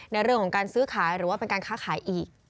ในเรื่องของการซื้อขายหรือว่าเป็นการค้าขายอีก